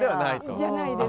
じゃないです。